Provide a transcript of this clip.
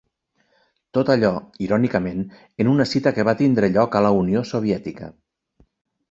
Tot allò, irònicament, en una cita que va tindre lloc a la Unió Soviètica.